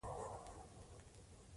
نجونې دا مهال په کورونو کې درس وايي.